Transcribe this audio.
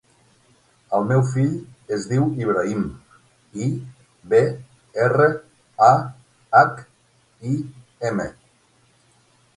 El meu fill es diu Ibrahim: i, be, erra, a, hac, i, ema.